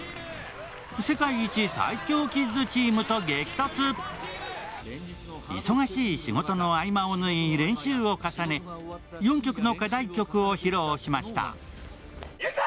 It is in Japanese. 世界一最強キッズチームと激突忙しい仕事の合間を縫い練習を重ね４曲の課題曲を披露しましたいくぞ！